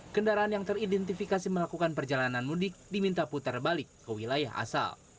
kendaraan yang teridentifikasi melakukan perjalanan mudik diminta putar balik ke wilayah asal